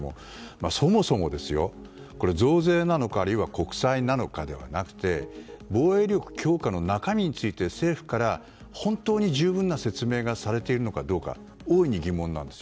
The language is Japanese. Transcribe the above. そもそも、増税なのかあるいは国債なのかではなくて防衛力強化の中身について政府から本当に十分な説明がされているのかどうか大いに疑問なんです。